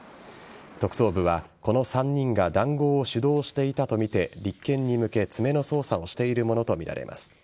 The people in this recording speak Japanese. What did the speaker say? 特捜部は、この３人が談合を主導していたとみて立件に向け、詰めの捜査をしているものとみられます。